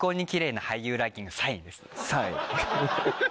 ３位。